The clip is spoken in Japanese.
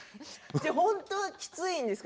本当はきついんですか？